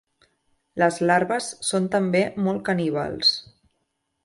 Les larves són també molt caníbals.